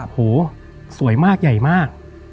โหสวยมากใหญ่มาก